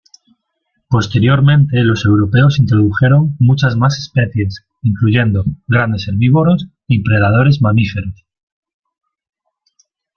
Posteriormente, los europeos introdujeron muchas más especies, incluyendo grandes herbívoros y predadores mamíferos.